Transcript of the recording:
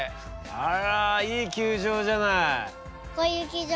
あらいい球場じゃない。